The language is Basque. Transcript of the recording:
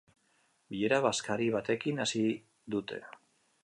Bilera bazkari batekin hasi dute.